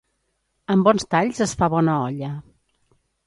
Amb bons talls es fa bona olla.